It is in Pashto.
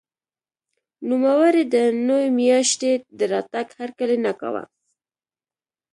نوموړي د نوې ماشیۍ د راتګ هرکلی نه کاوه.